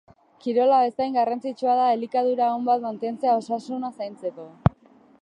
Kirola bezain garrantzitsua da elikadura on bat mantentzea osasuna zaintzeko.